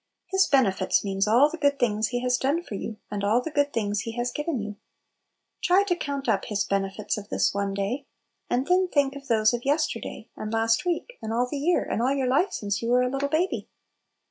"His benefits" means all the good things He has done for you, and all the good things He has given you. Try to count up " His benefits " of this one day; and then think of those of yesterday, and last week, and all the year, and all your life since you were a little baby